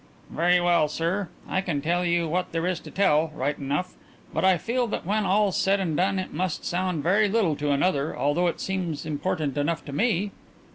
"Very well, sir. I can tell you what there is to tell, right enough, but I feel that when all's said and done it must sound very little to another, although it seems important enough to me."